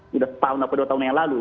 sudah setahun atau dua tahun yang lalu